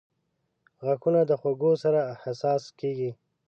• غاښونه د خوږو سره حساس کیږي.